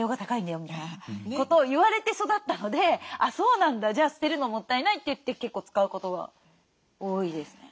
みたいなことを言われて育ったので「あっそうなんだ。じゃあ捨てるのもったいない」といって結構使うことが多いですね。